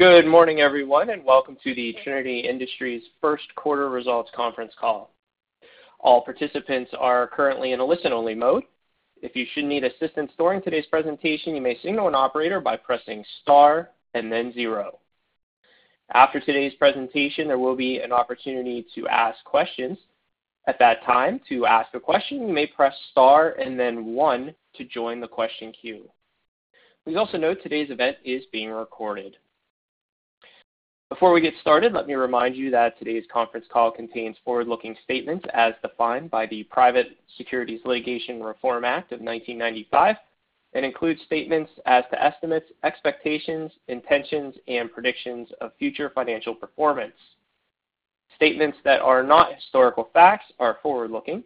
Good morning, everyone, and welcome to the Trinity Industries' First Quarter Results Conference Call. All participants are currently in a listen-only mode. If you should need assistance during today's presentation, you may signal an operator by pressing star and then zero. After today's presentation, there will be an opportunity to ask questions. At that time, to ask a question, you may press star and then one to join the question queue. Please also note today's event is being recorded. Before we get started, let me remind you that today's conference call contains forward-looking statements as defined by the Private Securities Litigation Reform Act of 1995, and includes statements as to estimates, expectations, intentions, and predictions of future financial performance. Statements that are not historical facts are forward-looking.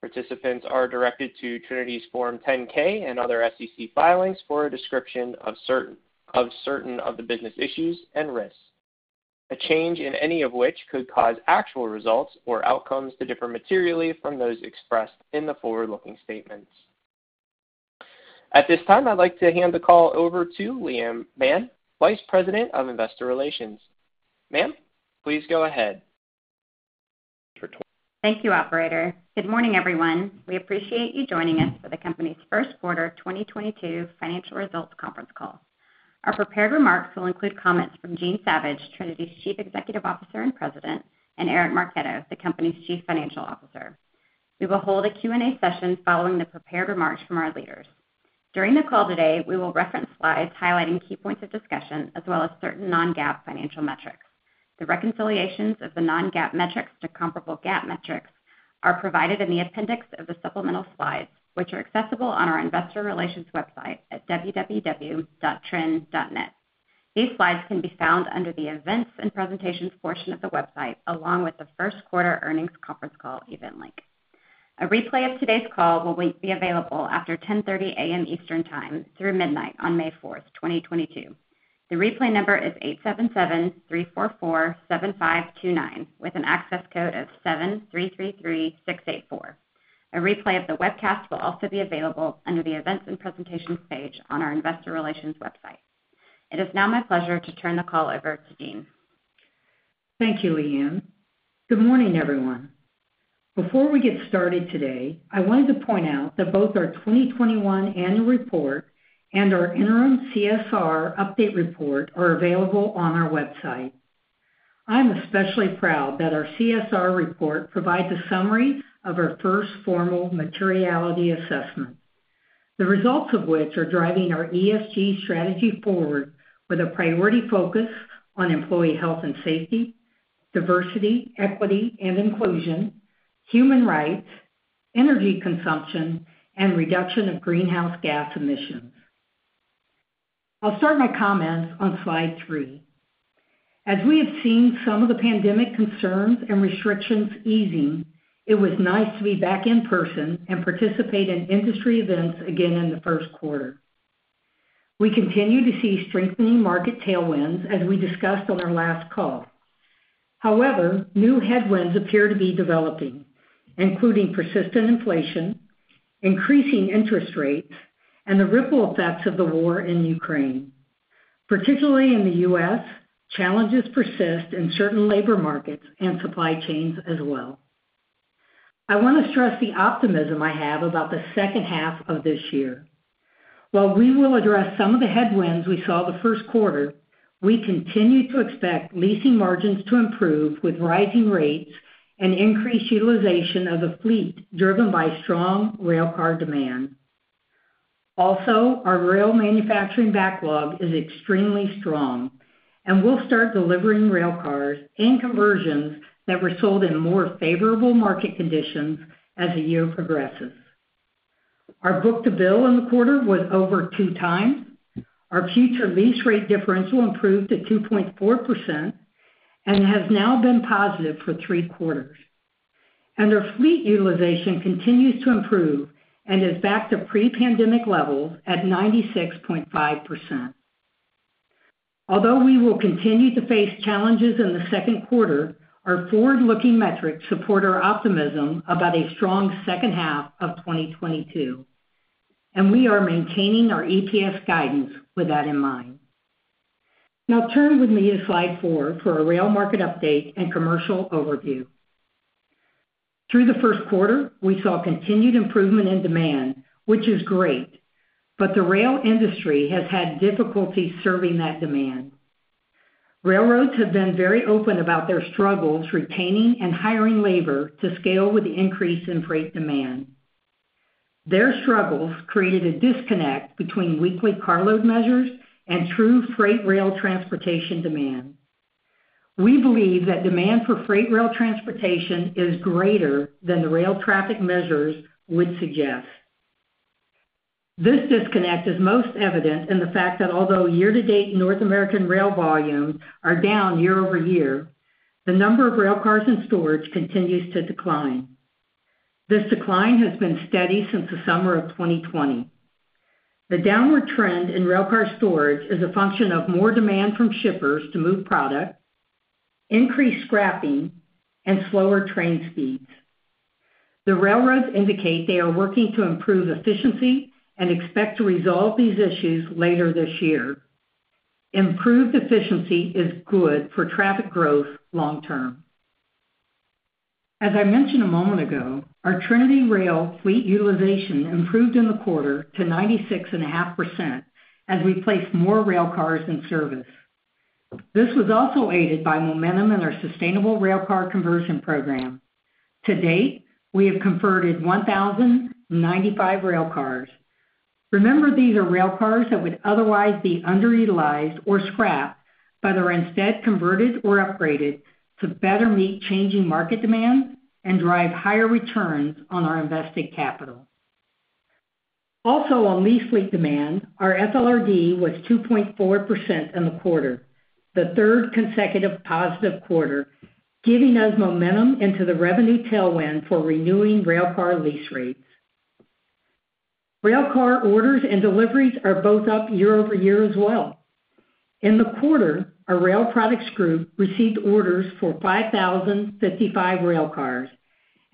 Participants are directed to Trinity's Form 10-K and other SEC filings for a description of certain of the business issues and risks. A change in any of which could cause actual results or outcomes to differ materially from those expressed in the forward-looking statements. At this time, I'd like to hand the call over to Leigh Anne Mann, Vice President of Investor Relations. Ma'am, please go ahead. Thank you, operator. Good morning, everyone. We appreciate you joining us for the company's first quarter 2022 financial results conference call. Our prepared remarks will include comments from Jean Savage, Trinity's Chief Executive Officer and President, and Eric Marchetto, the company's Chief Financial Officer. We will hold a Q&A session following the prepared remarks from our leaders. During the call today, we will reference slides highlighting key points of discussion as well as certain non-GAAP financial metrics. The reconciliations of the non-GAAP metrics to comparable GAAP metrics are provided in the appendix of the supplemental slides, which are accessible on our investor relations website at www.trin.net. These slides can be found under the Events and Presentations portion of the website, along with the first quarter earnings conference call event link. A replay of today's call will be available after 10:30 A.M. Eastern Time through midnight on May 4th, 2022. The replay number is eight seven seven-three four four-seven five two nine, with an access code of seven three three three-six eight four. A replay of the webcast will also be available under the Events and Presentations page on our investor relations website. It is now my pleasure to turn the call over to Jean. Thank you, Leigh Anne. Good morning, everyone. Before we get started today, I wanted to point out that both our 2021 annual report and our interim CSR update report are available on our website. I'm especially proud that our CSR report provides a summary of our first formal materiality assessment, the results of which are driving our ESG strategy forward with a priority focus on employee health and safety, diversity, equity, and inclusion, human rights, energy consumption, and reduction of greenhouse gas emissions. I'll start my comments on slide three. As we have seen some of the pandemic concerns and restrictions easing, it was nice to be back in person and participate in industry events again in the first quarter. We continue to see strengthening market tailwinds, as we discussed on our last call. However, new headwinds appear to be developing, including persistent inflation, increasing interest rates, and the ripple effects of the war in Ukraine. Particularly in the U.S., challenges persist in certain labor markets and supply chains as well. I want to stress the optimism I have about the second half of this year. While we will address some of the headwinds we saw the first quarter, we continue to expect leasing margins to improve with rising rates and increased utilization of the fleet driven by strong railcar demand. Also, our rail manufacturing backlog is extremely strong, and we'll start delivering railcars and conversions that were sold in more favorable market conditions as the year progresses. Our book-to-bill in the quarter was over 2x. Our future lease rate differential improved to 2.4% and has now been positive for three quarters. Our fleet utilization continues to improve and is back to pre-pandemic levels at 96.5%. Although we will continue to face challenges in the second quarter, our forward-looking metrics support our optimism about a strong second half of 2022, and we are maintaining our EPS guidance with that in mind. Now turn with me to slide four for a rail market update and commercial overview. Through the first quarter, we saw continued improvement in demand, which is great, but the rail industry has had difficulty serving that demand. Railroads have been very open about their struggles retaining and hiring labor to scale with the increase in freight demand. Their struggles created a disconnect between weekly carload measures and true freight rail transportation demand. We believe that demand for freight rail transportation is greater than the rail traffic measures would suggest. This disconnect is most evident in the fact that although year-to-date North American rail volumes are down year-over-year, the number of railcars in storage continues to decline. This decline has been steady since the summer of 2020. The downward trend in railcar storage is a function of more demand from shippers to move product, increased scrapping, and slower train speeds. The railroads indicate they are working to improve efficiency and expect to resolve these issues later this year. Improved efficiency is good for traffic growth long term. As I mentioned a moment ago, our TrinityRail fleet utilization improved in the quarter to 96.5% as we placed more railcars in service. This was also aided by momentum in our sustainable railcar conversion program. To date, we have converted 1,095 railcars. Remember, these are railcars that would otherwise be underutilized or scrapped, but are instead converted or upgraded to better meet changing market demands and drive higher returns on our invested capital. Also, on lease fleet demand, our FLRD was 2.4% in the quarter, the third consecutive positive quarter, giving us momentum into the revenue tailwind for renewing railcar lease rates. Railcar orders and deliveries are both up year-over-year as well. In the quarter, our Rail Products Group received orders for 5,055 railcars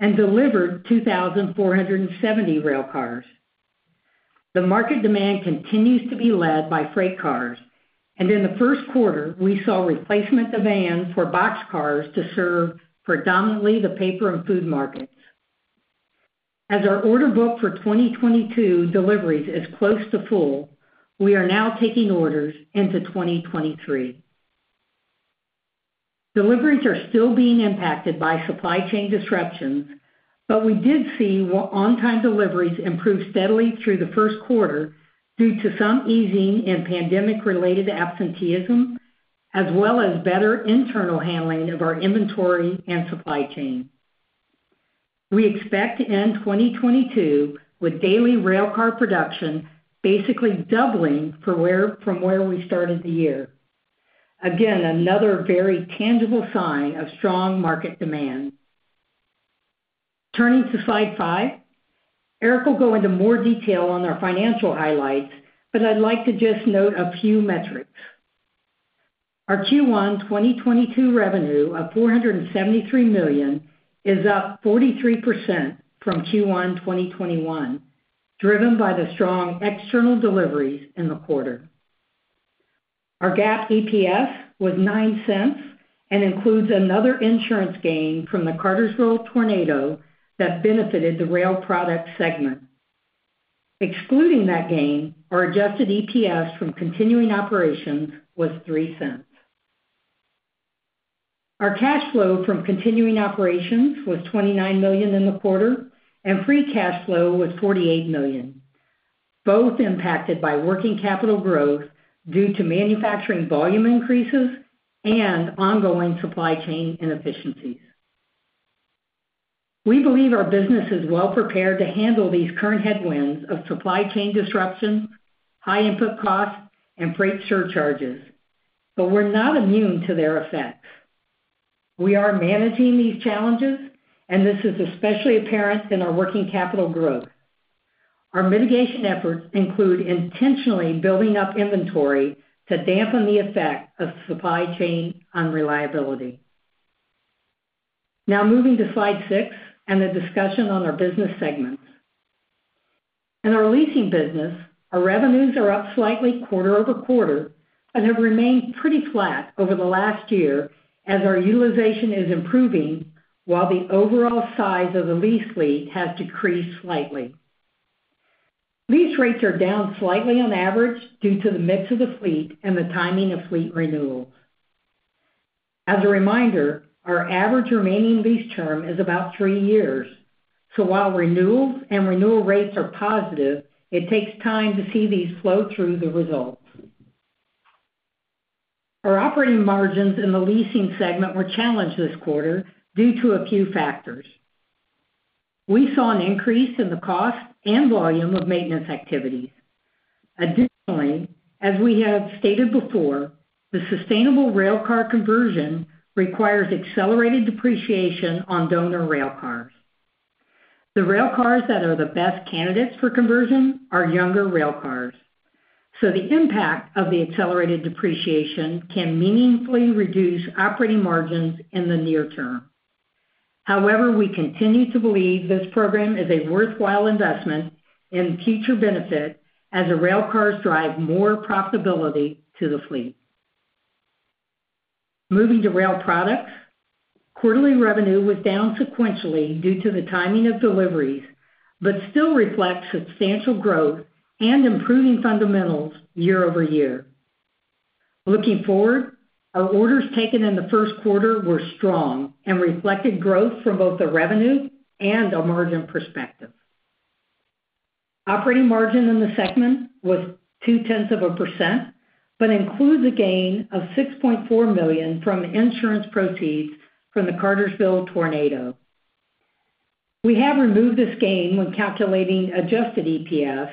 and delivered 2,470 railcars. The market demand continues to be led by freight cars, and in the first quarter, we saw replacement demand for boxcars to serve predominantly the paper and food markets. As our order book for 2022 deliveries is close to full, we are now taking orders into 2023. Deliveries are still being impacted by supply chain disruptions, but we did see on-time deliveries improve steadily through the first quarter due to some easing in pandemic-related absenteeism, as well as better internal handling of our inventory and supply chain. We expect to end 2022 with daily railcar production basically doubling from where we started the year. Again, another very tangible sign of strong market demand. Turning to slide five, Eric will go into more detail on our financial highlights, but I'd like to just note a few metrics. Our Q1 2022 revenue of $473 million is up 43% from Q1 2021, driven by the strong external deliveries in the quarter. Our GAAP EPS was $0.09 and includes another insurance gain from the Cartersville tornado that benefited the rail product segment. Excluding that gain, our Adjusted EPS from continuing operations was $0.03. Our cash flow from continuing operations was $29 million in the quarter, and free cash flow was $48 million, both impacted by working capital growth due to manufacturing volume increases and ongoing supply chain inefficiencies. We believe our business is well prepared to handle these current headwinds of supply chain disruptions, high input costs, and freight surcharges, but we're not immune to their effects. We are managing these challenges, and this is especially apparent in our working capital growth. Our mitigation efforts include intentionally building up inventory to dampen the effect of supply chain unreliability. Now moving to slide six and the discussion on our business segments. In our leasing business, our revenues are up slightly quarter-over-quarter and have remained pretty flat over the last year as our utilization is improving while the overall size of the lease fleet has decreased slightly. Lease rates are down slightly on average due to the mix of the fleet and the timing of fleet renewals. As a reminder, our average remaining lease term is about three years. While renewals and renewal rates are positive, it takes time to see these flow through the results. Our operating margins in the leasing segment were challenged this quarter due to a few factors. We saw an increase in the cost and volume of maintenance activities. Additionally, as we have stated before, the sustainable railcar conversion requires accelerated depreciation on donor railcars. The railcars that are the best candidates for conversion are younger railcars, so the impact of the accelerated depreciation can meaningfully reduce operating margins in the near term. However, we continue to believe this program is a worthwhile investment in future benefit as the railcars drive more profitability to the fleet. Moving to Rail Products, quarterly revenue was down sequentially due to the timing of deliveries, but still reflects substantial growth and improving fundamentals year-over-year. Looking forward, our orders taken in the first quarter were strong and reflected growth from both a revenue and a margin perspective. Operating margin in the segment was 0.2%, but includes a gain of $6.4 million from insurance proceeds from the Cartersville tornado. We have removed this gain when calculating Adjusted EPS,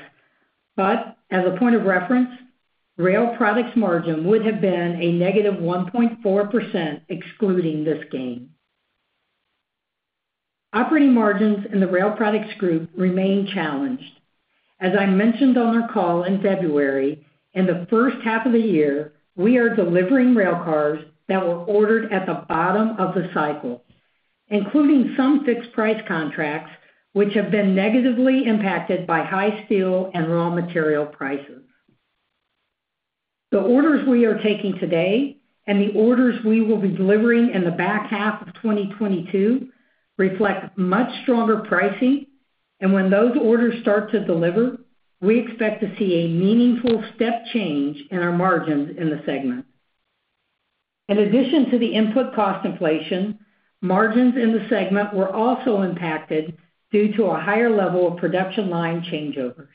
but as a point of reference, rail products margin would have been a -1.4% excluding this gain. Operating margins in the Rail Products Group remain challenged. As I mentioned on our call in February, in the first half of the year, we are delivering railcars that were ordered at the bottom of the cycle, including some fixed price contracts, which have been negatively impacted by high steel and raw material prices. The orders we are taking today and the orders we will be delivering in the back half of 2022 reflect much stronger pricing. When those orders start to deliver, we expect to see a meaningful step change in our margins in the segment. In addition to the input cost inflation, margins in the segment were also impacted due to a higher level of production line changeovers.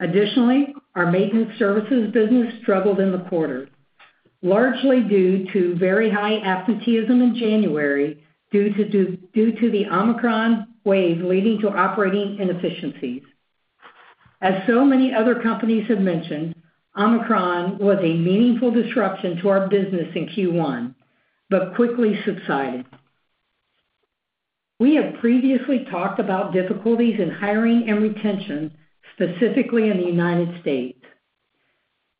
Additionally, our maintenance services business struggled in the quarter, largely due to very high absenteeism in January, due to the Omicron wave leading to operating inefficiencies. As so many other companies have mentioned, Omicron was a meaningful disruption to our business in Q1, but quickly subsided. We have previously talked about difficulties in hiring and retention, specifically in the United States.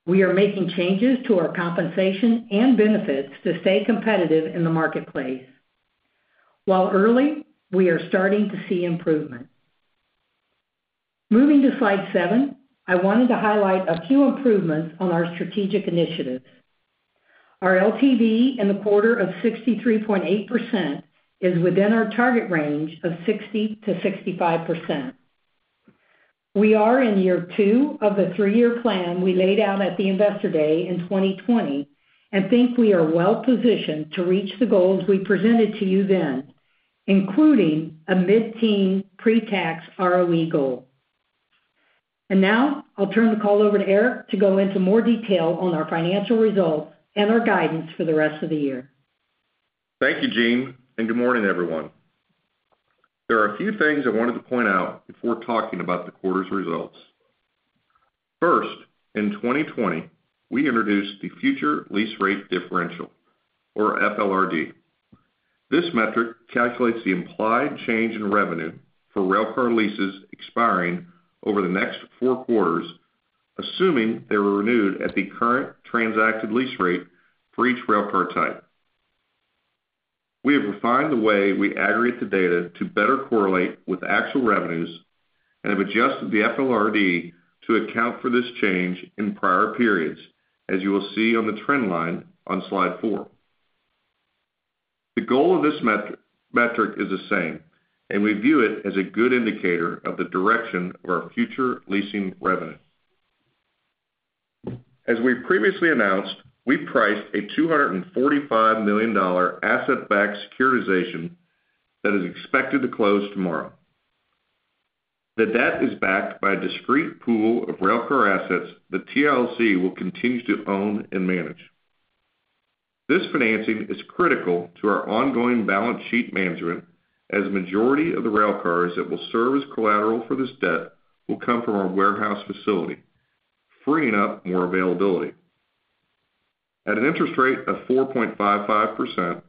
We are making changes to our compensation and benefits to stay competitive in the marketplace. While early, we are starting to see improvement. Moving to slide seven, I wanted to highlight a few improvements on our strategic initiatives. Our LTV in the quarter of 63.8% is within our target range of 60%-65%. We are in year two of the three-year plan we laid out at the Investor Day in 2020 and think we are well positioned to reach the goals we presented to you then, including a mid-teen pretax ROE goal. Now I'll turn the call over to Eric to go into more detail on our financial results and our guidance for the rest of the year. Thank you, Jean, and good morning, everyone. There are a few things I wanted to point out before talking about the quarter's results. First, in 2020, we introduced the future lease rate differential, or FLRD. This metric calculates the implied change in revenue for railcar leases expiring over the next four quarters, assuming they were renewed at the current transacted lease rate for each railcar type. We have refined the way we aggregate the data to better correlate with actual revenues and have adjusted the FLRD to account for this change in prior periods, as you will see on the trend line on slide four. The goal of this metric is the same, and we view it as a good indicator of the direction of our future leasing revenue. As we previously announced, we priced a $245 million asset-backed securitization that is expected to close tomorrow. The debt is backed by a discrete pool of railcar assets that TILC will continue to own and manage. This financing is critical to our ongoing balance sheet management, as the majority of the railcars that will serve as collateral for this debt will come from our warehouse facility, freeing up more availability. At an interest rate of 4.55%,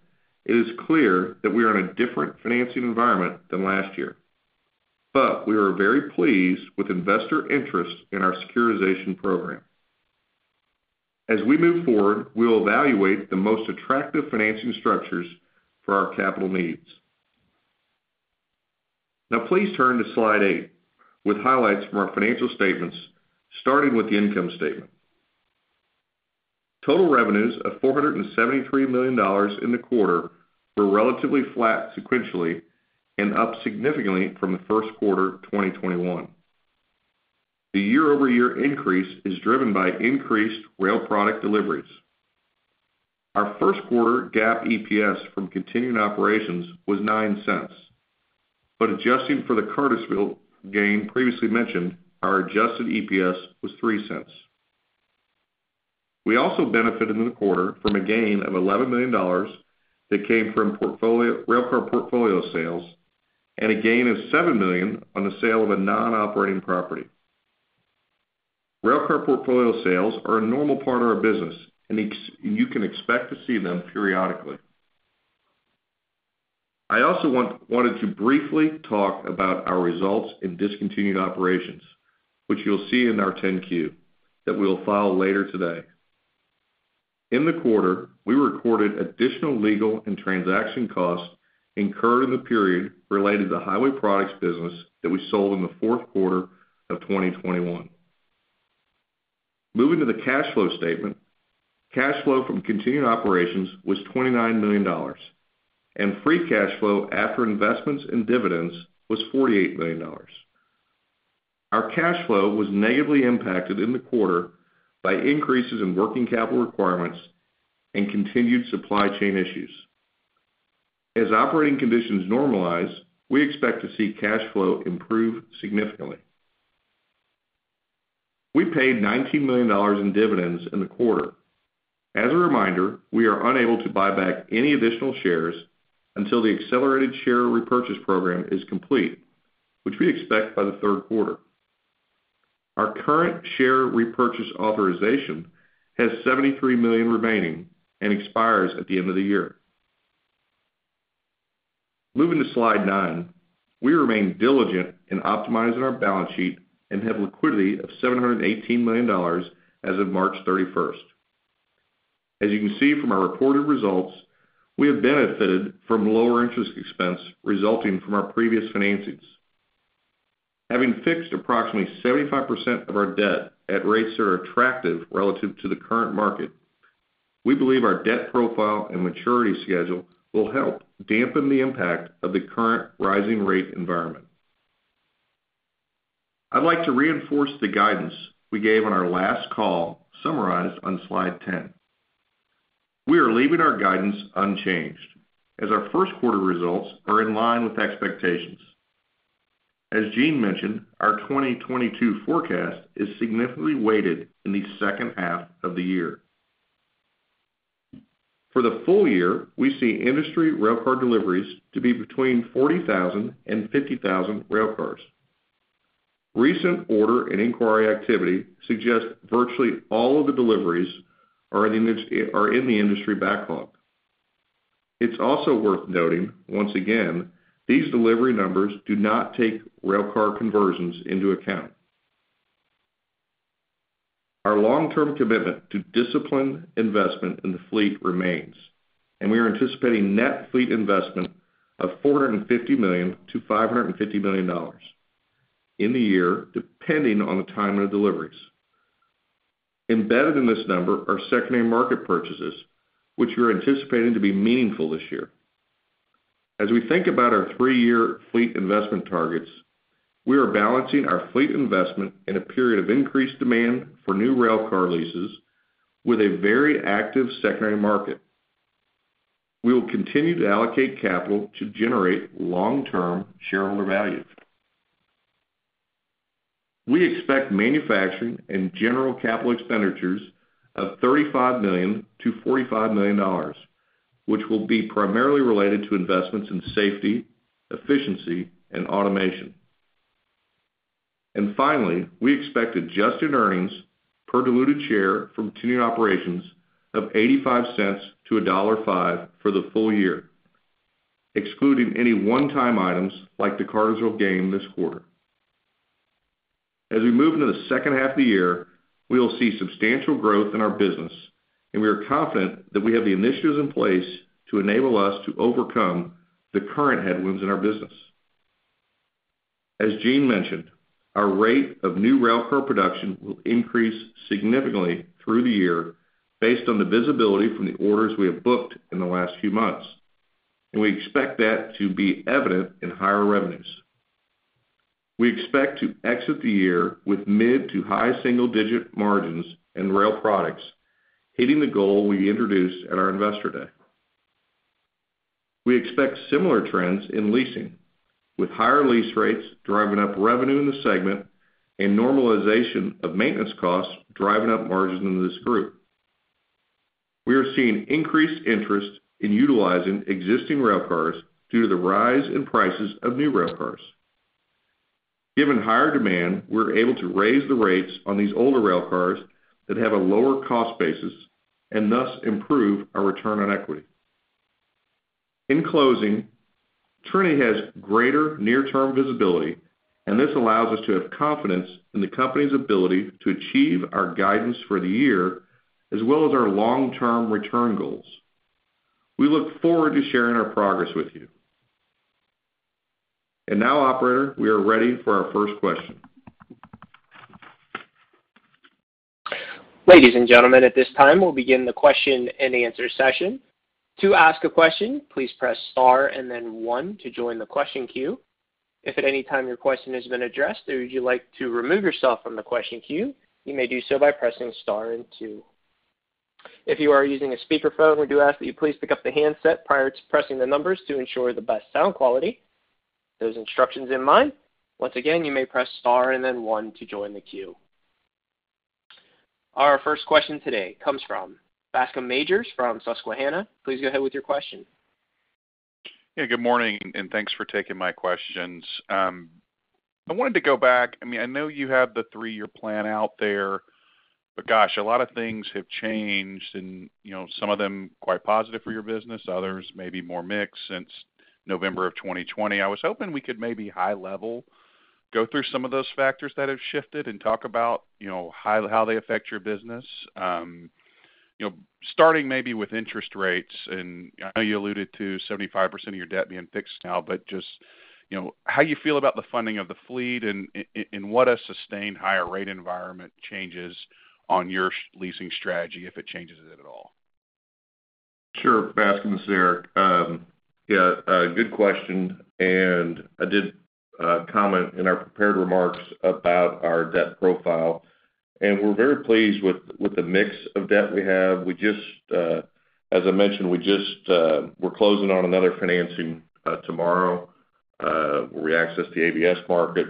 it is clear that we are in a different financing environment than last year. We are very pleased with investor interest in our securitization program. As we move forward, we will evaluate the most attractive financing structures for our capital needs. Now please turn to slide eight, with highlights from our financial statements, starting with the income statement. Total revenues of $473 million in the quarter were relatively flat sequentially and up significantly from the first quarter 2021. The year-over-year increase is driven by increased rail product deliveries. Our first quarter GAAP EPS from continuing operations was $0.09. Adjusting for the Cartersville gain previously mentioned, our Adjusted EPS was $0.03. We also benefited in the quarter from a gain of $11 million that came from railcar portfolio sales and a gain of $7 million on the sale of a nonoperating property. Railcar portfolio sales are a normal part of our business and you can expect to see them periodically. I also wanted to briefly talk about our results in discontinued operations, which you'll see in our 10-Q that we'll file later today. In the quarter, we recorded additional legal and transaction costs incurred in the period related to the highway products business that we sold in the fourth quarter of 2021. Moving to the cash flow statement, cash flow from continuing operations was $29 million, and free cash flow after investments and dividends was $48 million. Our cash flow was negatively impacted in the quarter by increases in working capital requirements and continued supply chain issues. As operating conditions normalize, we expect to see cash flow improve significantly. We paid $19 million in dividends in the quarter. As a reminder, we are unable to buy back any additional shares until the accelerated share repurchase program is complete, which we expect by the third quarter. Our current share repurchase authorization has $73 million remaining and expires at the end of the year. Moving to slide nine. We remain diligent in optimizing our balance sheet and have liquidity of $718 million as of March 31st. As you can see from our reported results, we have benefited from lower interest expense resulting from our previous financings. Having fixed approximately 75% of our debt at rates that are attractive relative to the current market, we believe our debt profile and maturity schedule will help dampen the impact of the current rising rate environment. I'd like to reinforce the guidance we gave on our last call summarized on slide 10. We are leaving our guidance unchanged as our first quarter results are in line with expectations. As Jean mentioned, our 2022 forecast is significantly weighted in the second half of the year. For the full year, we see industry railcar deliveries to be between 40,000 and 50,000 railcars. Recent order and inquiry activity suggest virtually all of the deliveries are in the industry backlog. It's also worth noting, once again, these delivery numbers do not take railcar conversions into account. Our long-term commitment to disciplined investment in the fleet remains, and we are anticipating net fleet investment of $450 million-$550 million in the year, depending on the timing of deliveries. Embedded in this number are secondary market purchases, which we are anticipating to be meaningful this year. As we think about our three-year fleet investment targets, we are balancing our fleet investment in a period of increased demand for new railcar leases with a very active secondary market. We will continue to allocate capital to generate long-term shareholder value. We expect manufacturing and general capital expenditures of $35 million-$45 million, which will be primarily related to investments in safety, efficiency, and automation. Finally, we expect adjusted earnings per diluted share from continued operations of $0.85-$1.05 for the full year, excluding any one-time items like the Cartersville gain this quarter. As we move into the second half of the year, we will see substantial growth in our business, and we are confident that we have the initiatives in place to enable us to overcome the current headwinds in our business. As Jean mentioned, our rate of new railcar production will increase significantly through the year based on the visibility from the orders we have booked in the last few months, and we expect that to be evident in higher revenues. We expect to exit the year with mid- to high single-digit margins in rail products, hitting the goal we introduced at our Investor Day. We expect similar trends in leasing, with higher lease rates driving up revenue in the segment and normalization of maintenance costs driving up margins in this group. We are seeing increased interest in utilizing existing railcars due to the rise in prices of new railcars. Given higher demand, we're able to raise the rates on these older railcars that have a lower cost basis and thus improve our return on equity. In closing, Trinity has greater near-term visibility, and this allows us to have confidence in the company's ability to achieve our guidance for the year as well as our long-term return goals. We look forward to sharing our progress with you. Now, operator, we are ready for our first question. Ladies and gentlemen, at this time, we'll begin the question-and-answer session. To ask a question, please press star and then one to join the question queue. If at any time your question has been addressed or you'd like to remove yourself from the question queue, you may do so by pressing star and two. If you are using a speakerphone, we do ask that you please pick up the handset prior to pressing the numbers to ensure the best sound quality. Those instructions in mind, once again, you may press star and then one to join the queue. Our first question today comes from Bascome Majors from Susquehanna. Please go ahead with your question. Yeah, good morning, and thanks for taking my questions. I wanted to go back. I mean, I know you have the three-year plan out there, but gosh, a lot of things have changed and, you know, some of them quite positive for your business, others maybe more mixed since November 2020. I was hoping we could maybe high level go through some of those factors that have shifted and talk about, you know, how they affect your business. You know, starting maybe with interest rates, and I know you alluded to 75% of your debt being fixed now. But just, you know, how you feel about the funding of the fleet and in what a sustained higher rate environment changes on your leasing strategy, if it changes it at all? Sure, Bascome this is Eric. Yeah, a good question, and I did comment in our prepared remarks about our debt profile, and we're very pleased with the mix of debt we have. As I mentioned, we're closing on another financing tomorrow. We access the ABS market.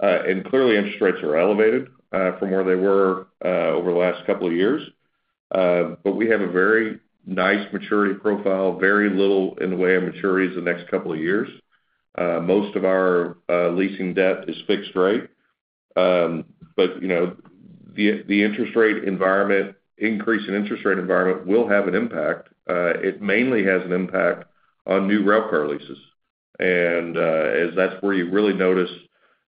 Clearly interest rates are elevated from where they were over the last couple of years. We have a very nice maturity profile, very little in the way of maturities the next couple of years. Most of our leasing debt is fixed rate. You know, the increase in the interest rate environment will have an impact. It mainly has an impact on new railcar leases. As that's where you really notice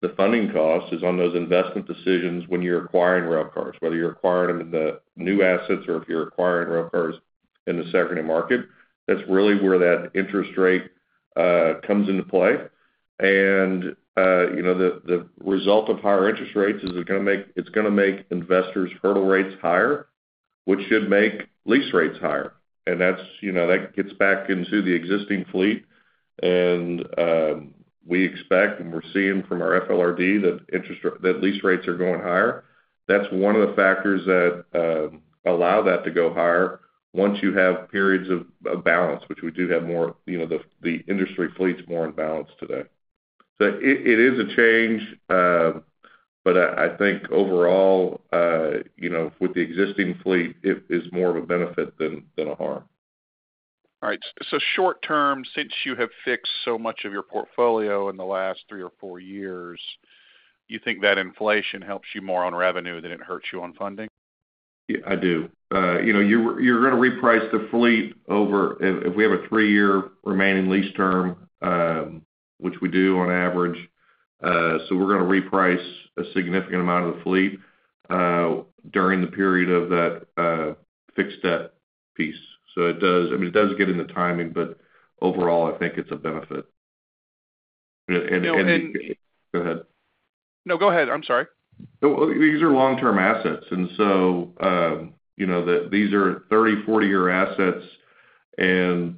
the funding cost, is on those investment decisions when you're acquiring railcars. Whether you're acquiring them in the new assets or if you're acquiring railcars in the secondary market, that's really where that interest rate comes into play. You know, the result of higher interest rates is it's gonna make investors' hurdle rates higher, which should make lease rates higher. That's, you know, that gets back into the existing fleet and we expect, and we're seeing from our FLRD that lease rates are going higher. That's one of the factors that allow that to go higher once you have periods of balance, which we do have more, you know, the industry fleet's more in balance today. It is a change, but I think overall, you know, with the existing fleet, it is more of a benefit than a harm. All right. Short term, since you have fixed so much of your portfolio in the last three or four years, you think that inflation helps you more on revenue than it hurts you on funding? Yeah, I do. You know, you're gonna reprice the fleet over, if we have a three-year remaining lease term, which we do on average, so we're gonna reprice a significant amount of the fleet during the period of that fixed debt piece. It does, I mean, it does get into timing, but overall, I think it's a benefit. No. Go ahead. No, go ahead, I'm sorry. No, these are long-term assets. You know, these are 30, 40-year assets,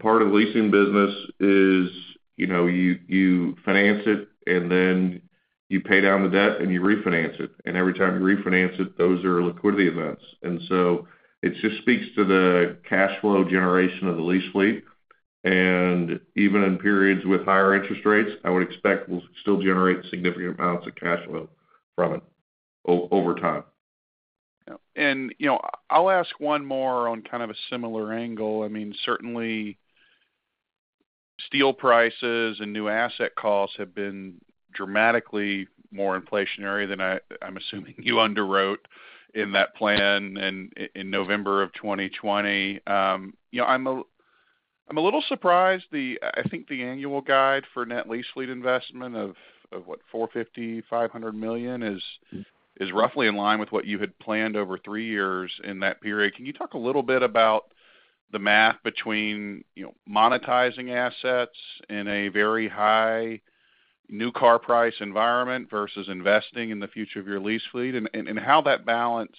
part of leasing business is, you know, you finance it and then you pay down the debt and you refinance it. Every time you refinance it, those are liquidity events. It just speaks to the cash flow generation of the lease fleet. Even in periods with higher interest rates, I would expect we'll still generate significant amounts of cash flow from it over time. You know, I'll ask one more on kind of a similar angle. I mean, certainly steel prices and new asset costs have been dramatically more inflationary than I'm assuming you underwrote in that plan in November of 2020. You know, I'm a little surprised the I think the annual guide for net lease fleet investment of what? $450 million-$500 million is roughly in line with what you had planned over three years in that period. Can you talk a little bit about the math between, you know, monetizing assets in a very high new car price environment versus investing in the future of your lease fleet, and how that balance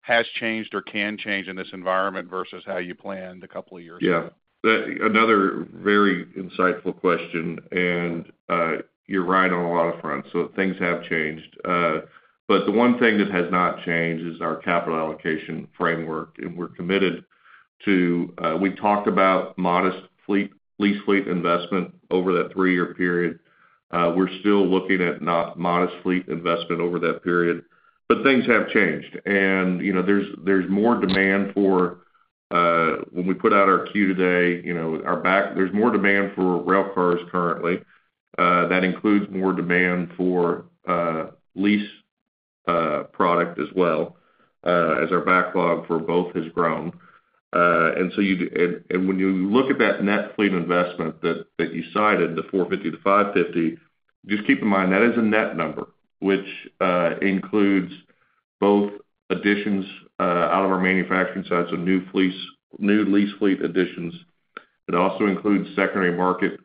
has changed or can change in this environment versus how you planned a couple of years ago? Yeah. Another very insightful question, and, you're right on a lot of fronts. Things have changed. The one thing that has not changed is our capital allocation framework, and we're committed to, we talked about modest lease fleet investment over that three-year period. We're still looking at not modest fleet investment over that period, but things have changed. You know, when we put out our Q today, you know, our backlog, there's more demand for railcars currently. That includes more demand for lease product as well, as our backlog for both has grown. When you look at that net fleet investment that you cited, the $450 million-$550 million, just keep in mind that is a net number, which includes both additions out of our manufacturing side, so new lease fleet additions. It also includes any secondary market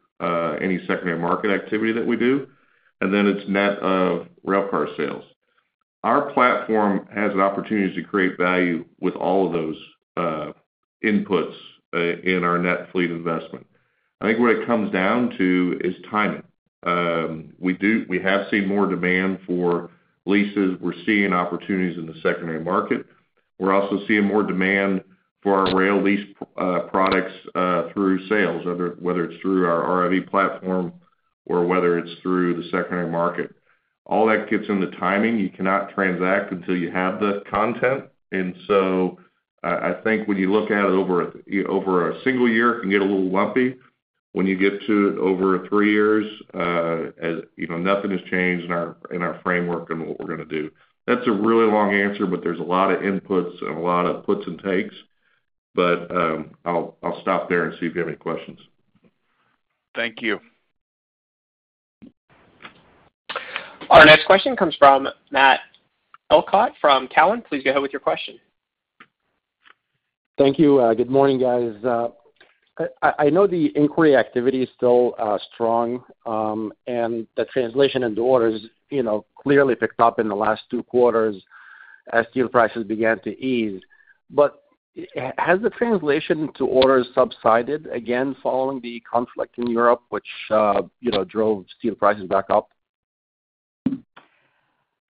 activity that we do, and then it is net of railcar sales. Our platform has an opportunity to create value with all of those inputs in our net fleet investment. I think what it comes down to is timing. We have seen more demand for leases. We are seeing opportunities in the secondary market. We are also seeing more demand for our rail lease products through sales, whether it is through our RIV platform or whether it is through the secondary market. All that gets in the timing. You cannot transact until you have the content. I think when you look at it over a single year, it can get a little lumpy. When you get to over three years, you know, nothing has changed in our framework and what we're gonna do. That's a really long answer, but there's a lot of inputs and a lot of puts and takes. I'll stop there and see if you have any questions. Thank you. Our next question comes from Matt Elkott from Cowen. Please go ahead with your question. Thank you. Good morning, guys. I know the inquiry activity is still strong, and the translation into orders, you know, clearly picked up in the last two quarters as steel prices began to ease. Has the translation to orders subsided again following the conflict in Europe, which, you know, drove steel prices back up?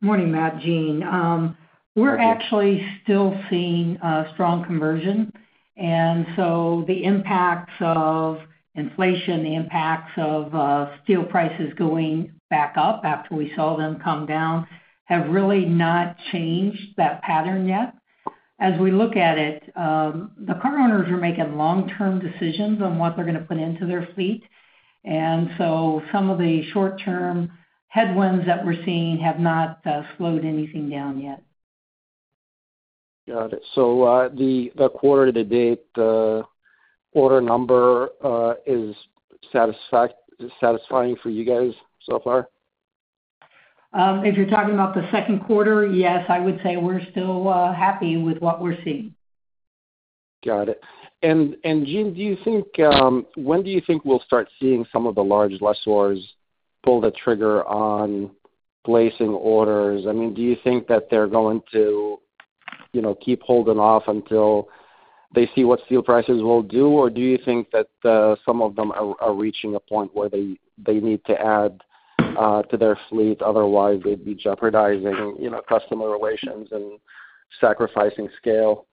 Morning, Matt, Jean. We're actually still seeing strong conversion. The impacts of inflation, the impacts of steel prices going back up after we saw them come down, have really not changed that pattern yet. As we look at it, the car owners are making long-term decisions on what they're gonna put into their fleet. Some of the short-term headwinds that we're seeing have not slowed anything down yet. Got it. The quarter-to-date order number is satisfying for you guys so far? If you're talking about the second quarter, yes, I would say we're still happy with what we're seeing. Got it. Jean, do you think when do you think we'll start seeing some of the large lessors pull the trigger on placing orders? I mean, do you think that they're going to, you know, keep holding off until they see what steel prices will do? Or do you think that some of them are reaching a point where they need to add to their fleet, otherwise they'd be jeopardizing, you know, customer relations and sacrificing scale?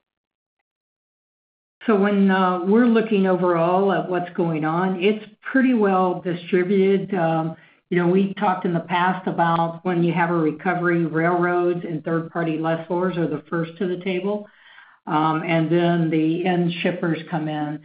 When we're looking overall at what's going on, it's pretty well distributed. You know, we talked in the past about when you have a recovery, railroads and third-party lessors are the first to the table, and then the end shippers come in.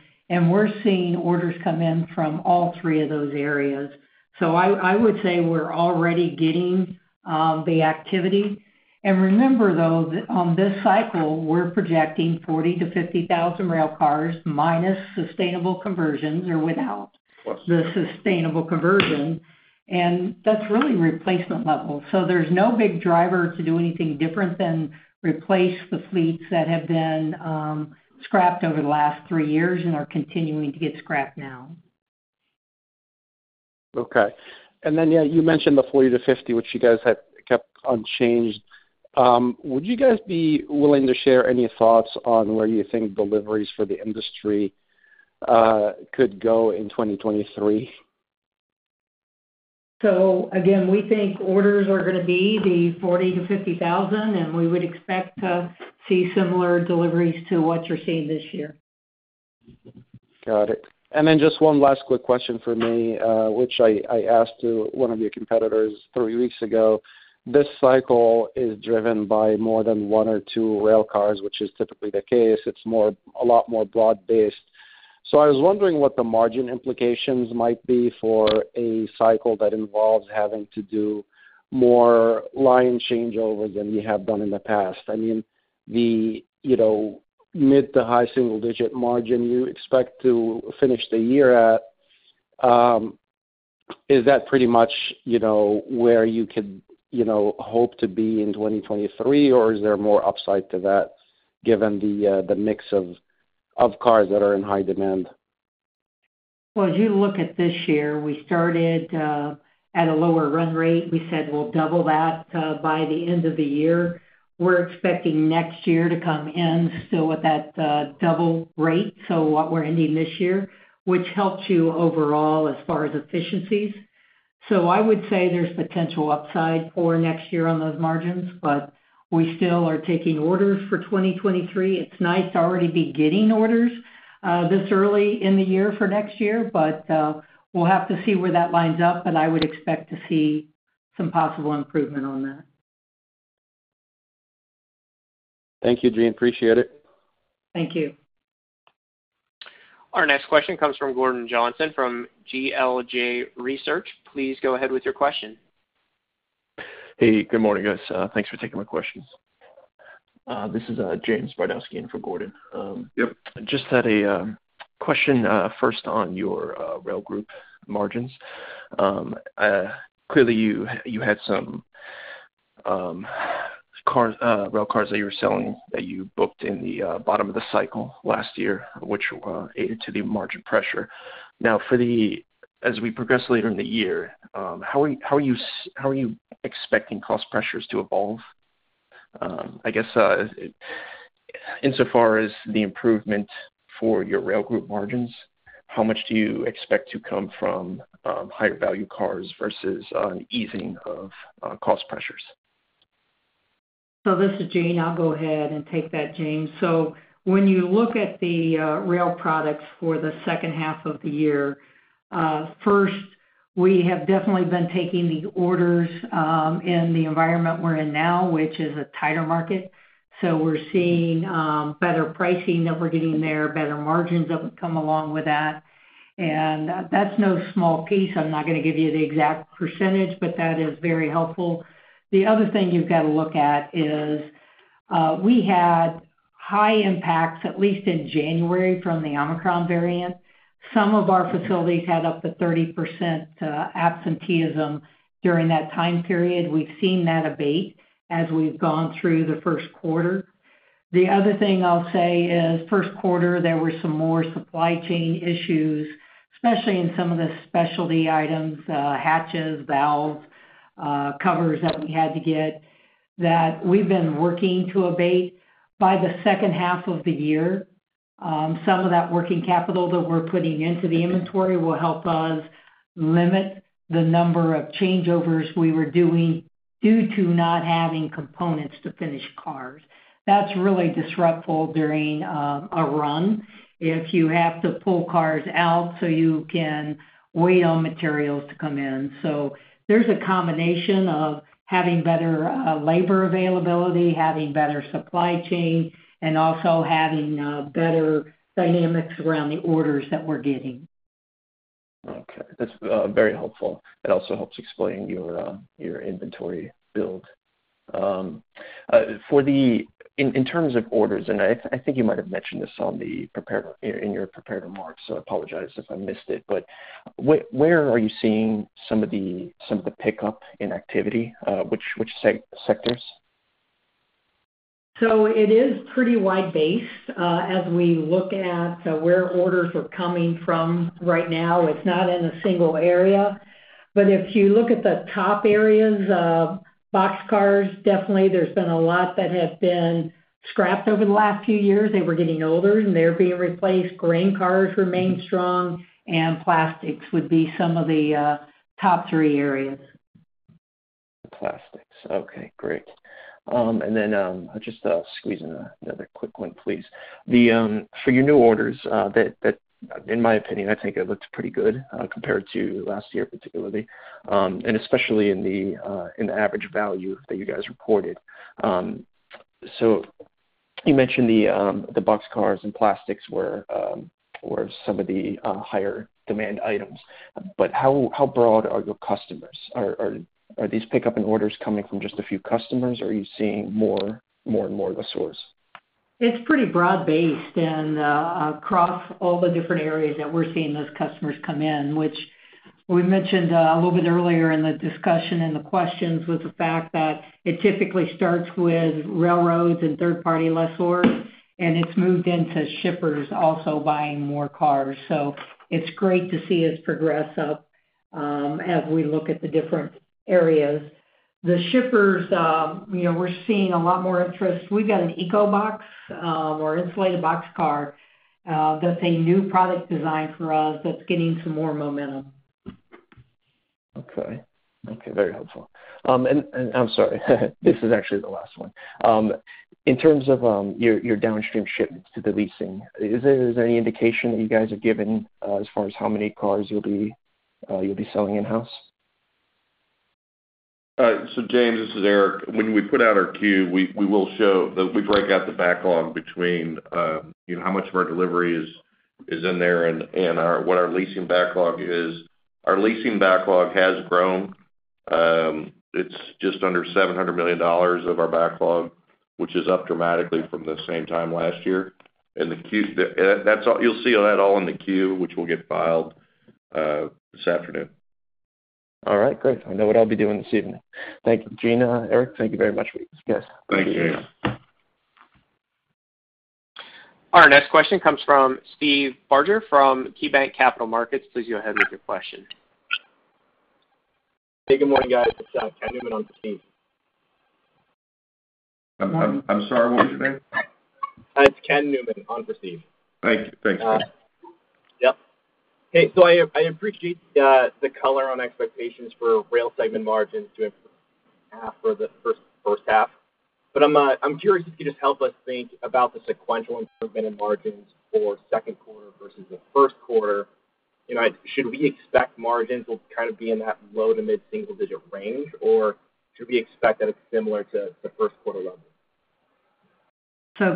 We're seeing orders come in from all three of those areas. I would say we're already getting the activity. Remember though that on this cycle, we're projecting 40,000-50,000 rail cars minus sustainable conversions or without- Of course. The sustainable conversion, and that's really replacement level. There's no big driver to do anything different than replace the fleets that have been scrapped over the last three years and are continuing to get scrapped now. Okay. Yeah, you mentioned the 40,000-50,000, which you guys had kept unchanged. Would you guys be willing to share any thoughts on where you think deliveries for the industry could go in 2023? Again, we think orders are gonna be the 40,000-50,000, and we would expect to see similar deliveries to what you're seeing this year. Got it. Just one last quick question from me, which I asked to one of your competitors three weeks ago. This cycle is driven by more than one or two rail cars, which is typically the case. It's a lot more broad-based. I was wondering what the margin implications might be for a cycle that involves having to do more line changeover than you have done in the past. I mean, you know, mid- to high-single-digit margin you expect to finish the year at, is that pretty much, you know, where you could, you know, hope to be in 2023, or is there more upside to that given the mix of cars that are in high demand? Well, as you look at this year, we started at a lower run rate. We said we'll double that by the end of the year. We're expecting next year to come in still with that double rate, so what we're ending this year, which helps you overall as far as efficiencies. I would say there's potential upside for next year on those margins, but we still are taking orders for 2023. It's nice to already be getting orders this early in the year for next year, but we'll have to see where that lines up, but I would expect to see some possible improvement on that. Thank you, Jean. Appreciate it. Thank you. Our next question comes from Gordon Johnson from GLJ Research. Please go ahead with your question. Hey, good morning, guys. Thanks for taking my questions. This is James Bardowski in for Gordon. Yep. Just had a question first on your rail group margins. Clearly you had some rail cars that you were selling that you booked in the bottom of the cycle last year, which added to the margin pressure. Now, as we progress later in the year, how are you expecting cost pressures to evolve? I guess, insofar as the improvement for your rail group margins, how much do you expect to come from higher value cars versus an easing of cost pressures? This is Jean. I'll go ahead and take that, James. When you look at the rail products for the second half of the year, first, we have definitely been taking the orders in the environment we're in now, which is a tighter market. We're seeing better pricing that we're getting there, better margins that have come along with that. That's no small piece. I'm not gonna give you the exact percentage, but that is very helpful. The other thing you've got to look at is we had high impacts, at least in January, from the Omicron variant. Some of our facilities had up to 30% absenteeism during that time period. We've seen that abate as we've gone through the first quarter. The other thing I'll say is first quarter, there were some more supply chain issues, especially in some of the specialty items, hatches, valves, covers that we had to get that we've been working to abate. By the second half of the year, some of that working capital that we're putting into the inventory will help us limit the number of changeovers we were doing due to not having components to finish cars. That's really disruptive during a run if you have to pull cars out so you can wait on materials to come in. There's a combination of having better labor availability, having better supply chain, and also having better dynamics around the orders that we're getting. Okay. That's very helpful. It also helps explain your inventory build. In terms of orders, I think you might have mentioned this in your prepared remarks, so I apologize if I missed it, but where are you seeing some of the pickup in activity? Which sectors? It is pretty wide-based, as we look at where orders are coming from right now, it's not in a single area. If you look at the top areas of boxcars, definitely there's been a lot that have been scrapped over the last few years. They were getting older, and they're being replaced. Grain cars remain strong, and plastics would be some of the top three areas. Plastics. Okay, great. I'll just squeeze in another quick one, please. For your new orders, that in my opinion, I think it looks pretty good, compared to last year, particularly, and especially in the average value that you guys reported. You mentioned the boxcars and plastics were some of the higher demand items. But how broad are your customers? Are these pickup in orders coming from just a few customers, or are you seeing more and more lessors? It's pretty broad-based and across all the different areas that we're seeing those customers come in, which we mentioned a little bit earlier in the discussion and the questions with the fact that it typically starts with railroads and third-party lessors, and it's moved into shippers also buying more cars. It's great to see us progress up as we look at the different areas. The shippers, you know, we're seeing a lot more interest. We've got an EcoBox or insulated boxcar that's a new product design for us that's gaining some more momentum. Okay, very helpful. I'm sorry. This is actually the last one. In terms of your downstream shipments to the leasing, is there any indication that you guys are getting as far as how many cars you'll be selling in-house? All right. James, this is Eric. When we put out our Q, we break out the backlog between, you know, how much of our delivery is in there and what our leasing backlog is. Our leasing backlog has grown. It's just under $700 million of our backlog, which is up dramatically from the same time last year. That's all. You'll see all that in the Q, which will get filed this afternoon. All right, great. I know what I'll be doing this evening. Thank you, Jean. Eric, thank you very much for this. Thanks, James. You too. Our next question comes from Steve Barger from KeyBanc Capital Markets. Please go ahead with your question. Hey, good morning, guys. It's Ken Newman on for Steve. I'm sorry. What was your name? It's Ken Newman on for Steve. Thank you. Thanks, Ken. Yep. Hey, I appreciate the color on expectations for rail segment margins to improve half for the first half. I'm curious if you could just help us think about the sequential improvement in margins for second quarter versus the first quarter. You know, should we expect margins will kind of be in that low- to mid-single-digit range, or should we expect that it's similar to the first quarter level?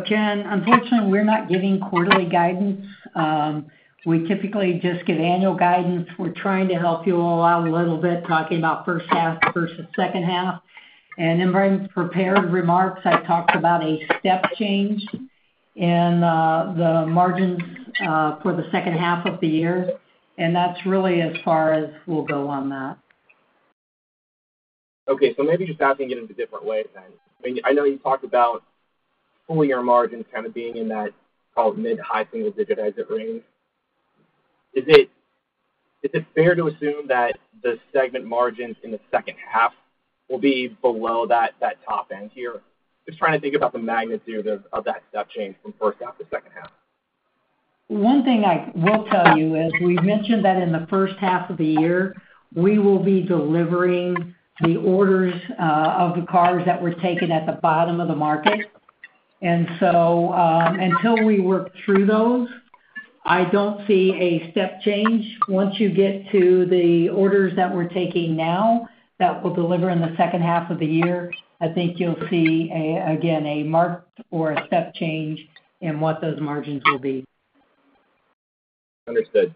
Ken, unfortunately, we're not giving quarterly guidance. We typically just give annual guidance. We're trying to help you all out a little bit, talking about first half versus second half. In my prepared remarks, I talked about a step change in the margins for the second half of the year, and that's really as far as we'll go on that. Okay. Maybe just asking it in a different way then. I mean, I know you talked about full-year margins kind of being in that mid- to high-single-digit exit range. Is it fair to assume that the segment margins in the second half will be below that top end here? Just trying to think about the magnitude of that step change from first half to second half. One thing I will tell you is we mentioned that in the first half of the year, we will be delivering the orders of the cars that were taken at the bottom of the market. Until we work through those, I don't see a step change. Once you get to the orders that we're taking now that we'll deliver in the second half of the year, I think you'll see, again, a marked or a step change in what those margins will be. Understood.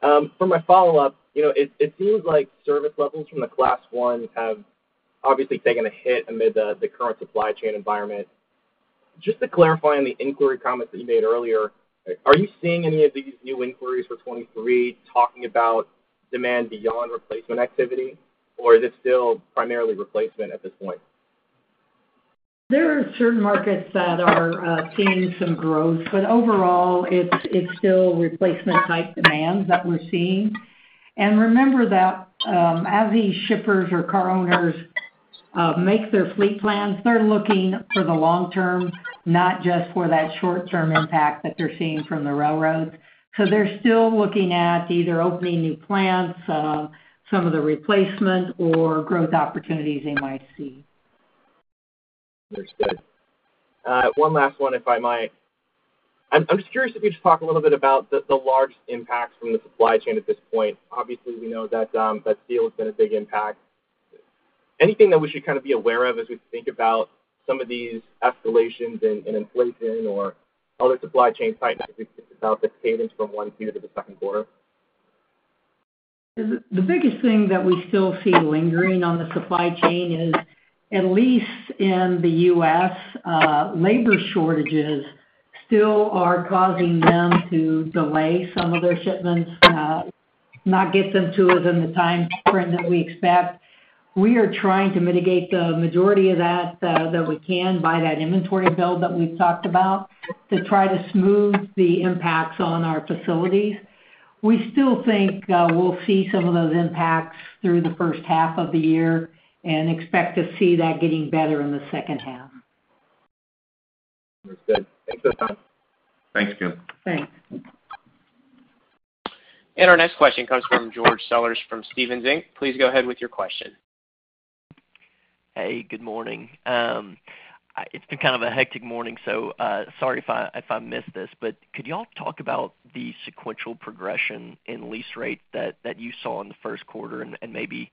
For my follow-up, you know, it seems like service levels from the Class I's have obviously taken a hit amid the current supply chain environment. Just to clarify on the inquiry comments that you made earlier, are you seeing any of these new inquiries for 2023 talking about demand beyond replacement activity, or is it still primarily replacement at this point? There are certain markets that are seeing some growth, but overall, it's still replacement type demands that we're seeing. Remember that, as these shippers or car owners make their fleet plans, they're looking for the long term, not just for that short term impact that they're seeing from the railroads. They're still looking at either opening new plants, some of the replacement or growth opportunities they might see. Understood. One last one, if I might. I'm just curious if you could just talk a little bit about the large impacts from the supply chain at this point. Obviously, we know that steel has been a big impact. Anything that we should kind of be aware of as we think about some of these escalations in inflation or other supply chain tightness about the cadence from one quarter to the second quarter? The biggest thing that we still see lingering on the supply chain is, at least in the U.S., labor shortages still are causing them to delay some of their shipments, not get them to us in the timeframe that we expect. We are trying to mitigate the majority of that we can by that inventory build that we've talked about to try to smooth the impacts on our facilities. We still think we'll see some of those impacts through the first half of the year, and expect to see that getting better in the second half. Understood. Thanks for the time. Thanks, Ken. Thanks. Our next question comes from George Sellers from Stephens Inc. Please go ahead with your question. Hey, good morning. It's been kind of a hectic morning, so sorry if I missed this, but could y'all talk about the sequential progression in lease rates that you saw in the first quarter and maybe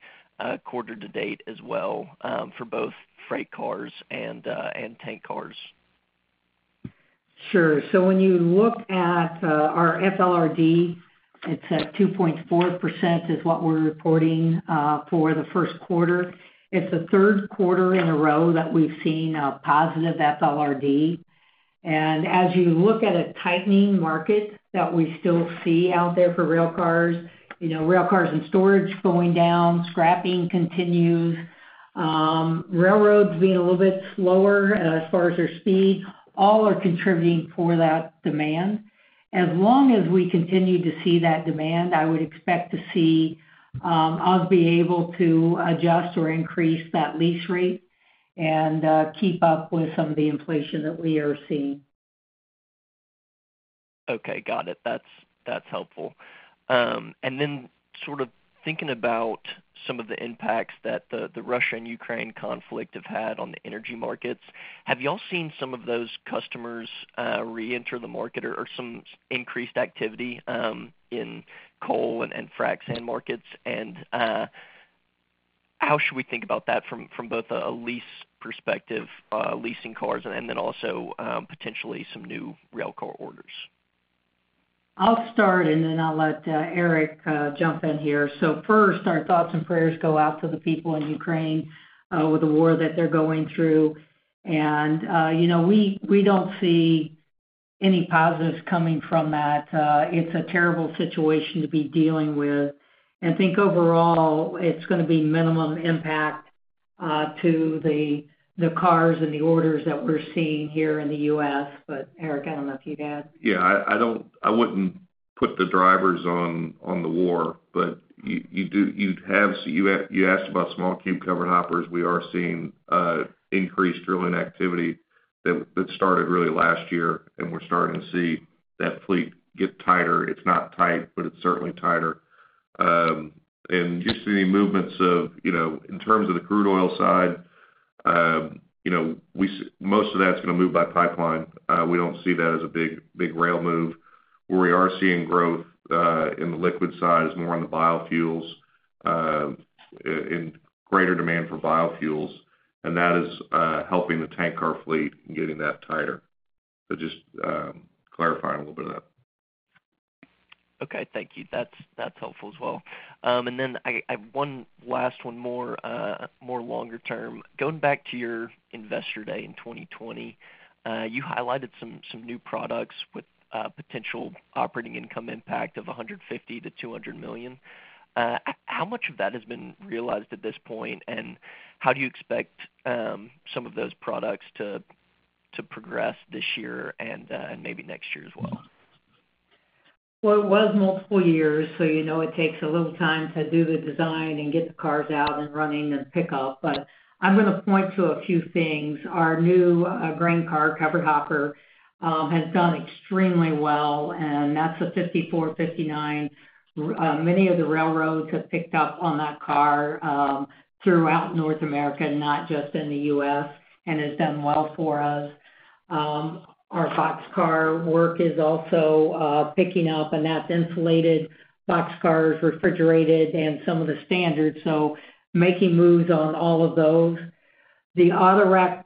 quarter to date as well, for both freight cars and tank cars? Sure. When you look at our FLRD, it's at 2.4% is what we're reporting for the first quarter. It's the third quarter in a row that we've seen a positive FLRD. As you look at a tightening market that we still see out there for rail cars, you know, rail cars in storage going down, scrapping continues, railroads being a little bit slower as far as their speed, all are contributing for that demand. As long as we continue to see that demand, I would expect to see us be able to adjust or increase that lease rate and keep up with some of the inflation that we are seeing. Okay, got it. That's helpful. Sort of thinking about some of the impacts that the Russia and Ukraine conflict have had on the energy markets, have y'all seen some of those customers reenter the market or some increased activity in coal and frac sand markets? How should we think about that from both a lease perspective, leasing cars and then also potentially some new rail car orders? I'll start, and then I'll let Eric jump in here. First, our thoughts and prayers go out to the people in Ukraine with the war that they're going through. You know, we don't see any positives coming from that. It's a terrible situation to be dealing with. I think overall, it's gonna be minimum impact to the cars and the orders that we're seeing here in the U.S. Eric, I don't know if you'd add. I don't put the drivers on the war, but you asked about small cube covered hoppers. We are seeing increased drilling activity that started really last year, and we're starting to see that fleet get tighter. It's not tight, but it's certainly tighter. And you see movements of, you know, in terms of the crude oil side, you know, most of that's gonna move by pipeline. We don't see that as a big rail move. Where we are seeing growth in the liquid side is more on the biofuels, in greater demand for biofuels, and that is helping the tank car fleet and getting that tighter. Just clarifying a little bit of that. Okay, thank you. That's helpful as well. One more longer term. Going back to your Investor Day in 2020, you highlighted some new products with potential operating income impact of $150 million-$200 million. How much of that has been realized at this point, and how do you expect some of those products to progress this year and maybe next year as well? Well, it was multiple years, so you know it takes a little time to do the design and get the cars out and running and pick up. But I'm gonna point to a few things. Our new grain car covered hopper has done extremely well, and that's a 5459. Many of the railroads have picked up on that car throughout North America, not just in the U.S., and has done well for us. Our boxcar work is also picking up, and that's insulated boxcars, refrigerated, and some of the standard. Making moves on all of those. The autorack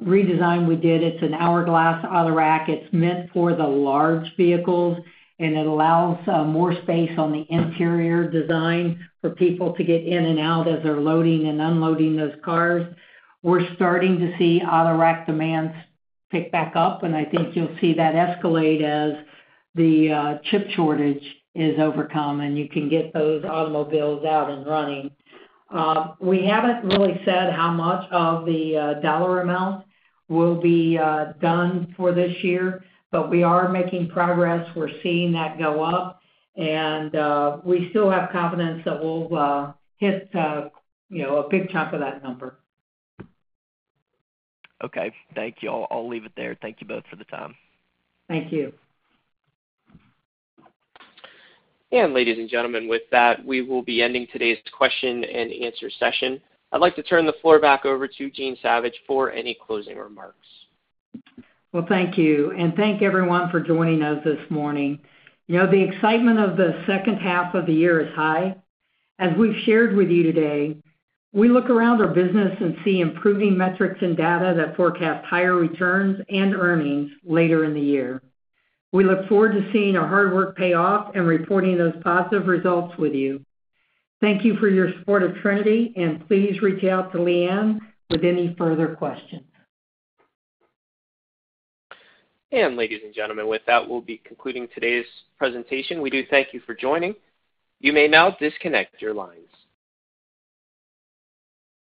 redesign we did, it's an Hourglass autorack. It's meant for the large vehicles, and it allows more space on the interior design for people to get in and out as they're loading and unloading those cars. We're starting to see autorack demands pick back up, and I think you'll see that escalate as the chip shortage is overcome, and you can get those automobiles out and running. We haven't really said how much of the dollar amount will be done for this year, but we are making progress. We're seeing that go up. We still have confidence that we'll hit, you know, a big chunk of that number. Okay. Thank you. I'll leave it there. Thank you both for the time. Thank you. Ladies and gentlemen, with that, we will be ending today's question-and-answer session. I'd like to turn the floor back over to Jean Savage for any closing remarks. Well, thank you. Thank everyone for joining us this morning. You know, the excitement of the second half of the year is high. As we've shared with you today, we look around our business and see improving metrics and data that forecast higher returns and earnings later in the year. We look forward to seeing our hard work pay off and reporting those positive results with you. Thank you for your support of Trinity, and please reach out to Leigh Anne with any further questions. Ladies and gentlemen, with that, we'll be concluding today's presentation. We do thank you for joining. You may now disconnect your lines.